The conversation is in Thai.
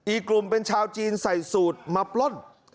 อีกกลุ่มเป็นชาวจีนใส่สูตรมาปล้น